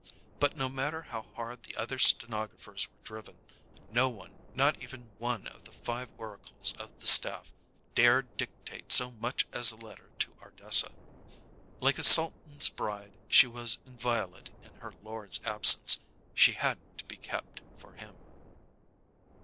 But no matter how hard the other stenographers were driven, no one, not even one of the five oracles of the staff, dared dictate so much as a letter to Ardessa. Like a sultan's bride, she was inviolate in her lord's absence; she had to be kept for him.